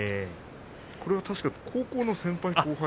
これは確か高校の先輩と後輩。